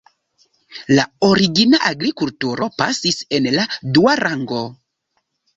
La origina agrikulturo pasis en la dua rango.